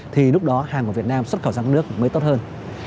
thì lúc đó hàng của việt nam xuất khẩu sang nước mới tốt hơn